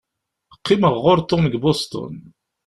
Qqimeɣ ɣur Tom deg Boston.